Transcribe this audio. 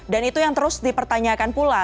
dan itu yang terus dipertanyakan pula